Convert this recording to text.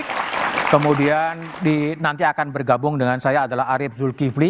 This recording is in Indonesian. kemudian nanti akan bergabung dengan saya adalah arief zulkifli